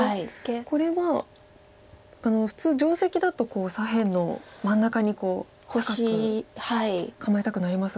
これは普通定石だと左辺の真ん中に高く構えたくなりますが。